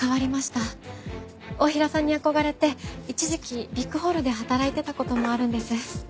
太平さんに憧れて一時期ビッグホールで働いてた事もあるんです。